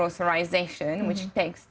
yang membutuhkan waktu